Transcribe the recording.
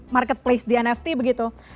marketplace di nft begitu